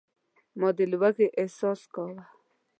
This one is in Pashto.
ما د لوږې احساس کاوه.